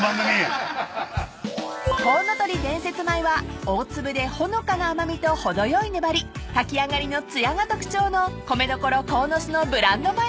［こうのとり伝説米は大粒でほのかな甘味と程よい粘り炊き上がりのつやが特徴の米どころ鴻巣のブランド米］